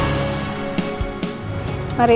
ya allah ya allah